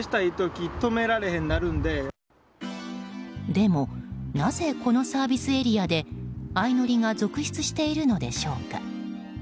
でも、なぜこのサービスエリアで相乗りが続出しているのでしょうか。